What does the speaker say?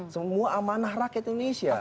semua amanah rakyat indonesia